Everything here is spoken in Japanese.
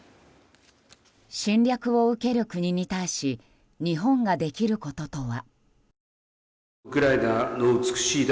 侵略を受ける国に対し日本ができることとは。